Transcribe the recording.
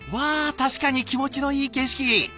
確かに気持ちのいい景色。